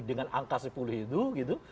dengan angka sepuluh itu